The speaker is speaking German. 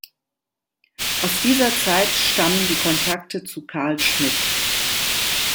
Aus dieser Zeit stammen die Kontakte zu Carl Schmitt.